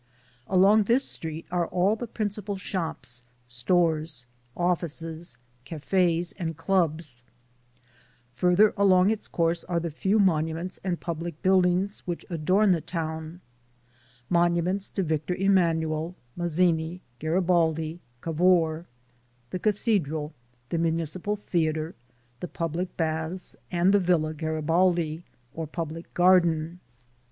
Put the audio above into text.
Along this street are all the principal shops, stores, offices, cafes and clubs ; farther along its course are the few monuments and public buildings which adorn the town; monuments to Victor Emanuel, Mazzini, Garibaldi, Cavour; the Cathedral, the Municipal Theater, the public baths and the Villa Garibaldi, or public garden.